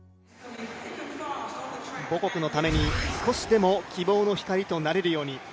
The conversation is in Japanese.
母国のために少しでも希望の光となれるために。